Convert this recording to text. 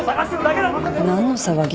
何の騒ぎ？